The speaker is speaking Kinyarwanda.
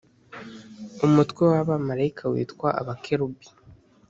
Umutwe w abamarayika witwa abakerubi